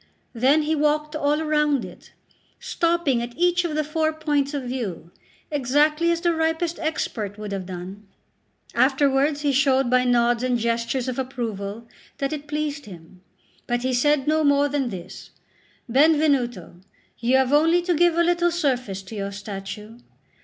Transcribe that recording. Then he walked all round it, stopping at each of the four points of view, exactly as the ripest expert would have done. Afterwards he showed by nods and gestures of approval that it pleased him; but he said no more than this: "Benvenuto, you have only to give a little surface to your statue."